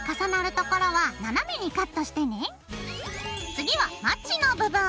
次はマチの部分。